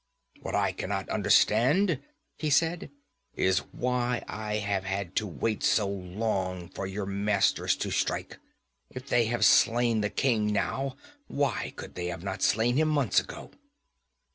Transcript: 'What I can not understand,' he said, 'is why I have had to wait so long for your masters to strike. If they have slain the king now, why could they not have slain him months ago?'